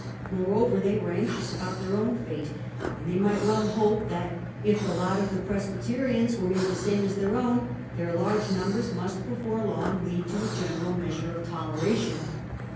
Moreover they were anxious about their own fate, and they might well hope that, if the lot of the Presbyterians were made the same as their own, their large numbers must before long lead to a general measure of toleration.